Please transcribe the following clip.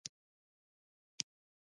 ختيځو ولایتونو ته سفر یو ښه احساس راکوي.